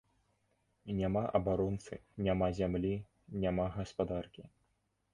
Няма абаронцы, няма зямлі, няма гаспадаркі.